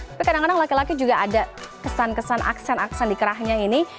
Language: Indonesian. tapi kadang kadang laki laki juga ada kesan kesan aksen aksen dikerahnya ini